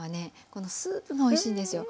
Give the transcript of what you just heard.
このスープがおいしいんですよ。